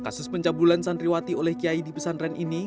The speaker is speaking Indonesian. kasus pencabulan santriwati oleh kiai di pesantren ini